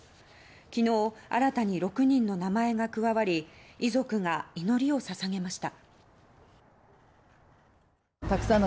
昨日新たに６人の名前が加わり遺族が祈りを捧げました。